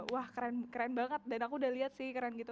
wah keren banget dan aku udah lihat sih keren gitu